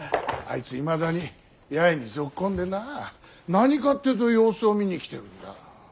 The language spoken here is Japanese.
あいついまだに八重にぞっこんでな何かっていうと様子を見に来てるんだ。